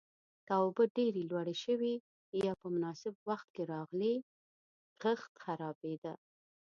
که اوبه ډېره لوړې شوې یا په نامناسب وخت کې راغلې، کښت خرابېده.